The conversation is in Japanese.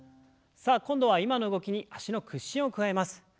さあ今度は今の動きに脚の屈伸を加えます。